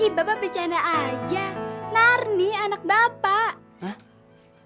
ih bapak becana aja narni anak bapak